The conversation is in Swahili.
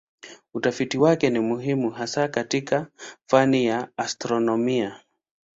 Utafiti wake ni muhimu hasa katika fani ya astronomia.